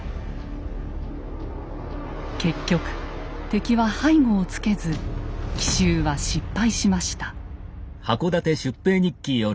結局敵は背後をつけず奇襲は失敗しました。